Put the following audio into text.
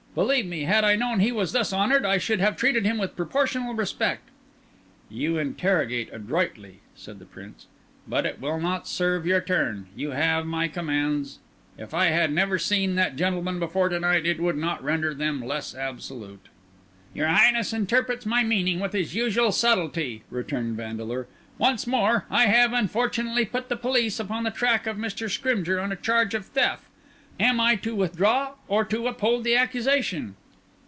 Believe me, had I known he was thus honoured, I should have treated him with proportional respect." "You interrogate adroitly," said the Prince; "but it will not serve your turn. You have my commands; if I had never seen that gentleman before to night, it would not render them less absolute." "Your Highness interprets my meaning with his usual subtlety," returned Vandeleur. "Once more: I have, unfortunately, put the police upon the track of Mr. Scrymgeour on a charge of theft; am I to withdraw or to uphold the accusation?"